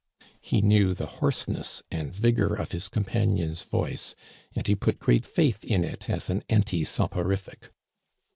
He knew the hoarseness and vigor of his compan ion's voice, and he put great faith in it as an anti soporific.